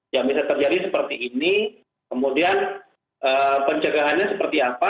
yang bisa terjadi seperti ini kemudian pencegahannya seperti apa